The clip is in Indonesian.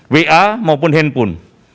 wa maupun handphone